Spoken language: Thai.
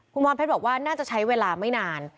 คุณพรเพชรบอกว่าน่าจะใช้เวลาไม่นาน